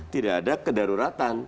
tidak ada kedaruratan